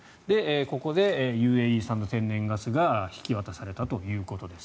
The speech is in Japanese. ここでＵＡＥ産の天然ガスが引き渡されたということです。